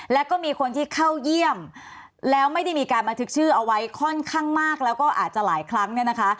แล้วก็มีคนที่เข้าเยี่ยมแล้วไม่ได้มีการบันทึกชื่อเอาไว้ค่อนข้างมากแล้วก็อาจจะหลายครั้งเนี่ยนะคะ